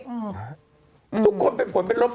ทุกคนเป็นคนเป็นรบหล่อเหลือง